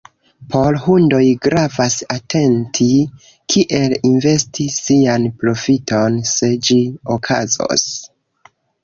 Por Hundoj gravas atenti, kiel investi sian profiton, se ĝi okazos.